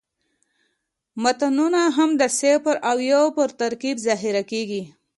متنونه هم د صفر او یو په ترکیب ذخیره کېږي.